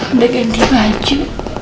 sudah ganti baju